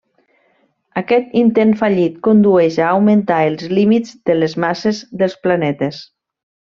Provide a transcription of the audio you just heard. Aquest intent fallit condueix a augmentar els límits de les masses dels planetes.